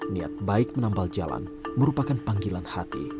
niat baik menambal jalan merupakan panggilan hati